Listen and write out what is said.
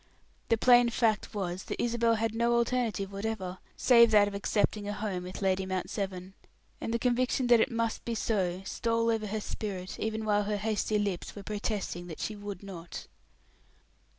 The plain fact was, that Isabel had no alternative whatever, save that of accepting a home with Lady Mount Severn; and the conviction that it must be so stole over her spirit, even while her hasty lips were protesting that she would not.